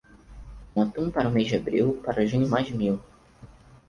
Um atum para o mês de abril, para junho mais de mil.